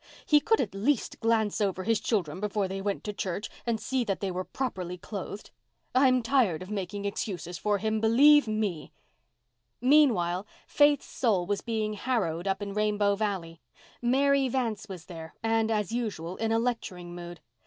"He could at least glance over his children before they went to church and see that they were quite properly clothed. I'm tired making excuses for him, believe me." Meanwhile, Faith's soul was being harrowed up in Rainbow Valley. Mary Vance was there and, as usual, in a lecturing mood.